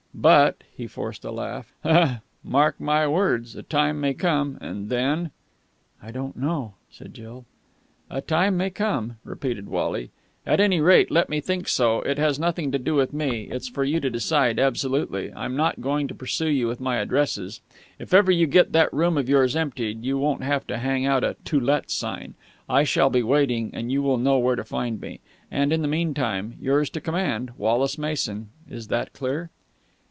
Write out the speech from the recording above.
"But...." He forced a laugh ... "mark my words, a time may come, and then...!" "I don't know," said Jill. "A time may come," repeated Wally. "At any rate, let me think so. It has nothing to do with me. It's for you to decide, absolutely. I'm not going to pursue you with my addresses! If ever you get that room of yours emptied, you won't have to hang out a 'To Let' sign. I shall be waiting, and you will know where to find me. And, in the meantime, yours to command, Wallace Mason. Is that clear?"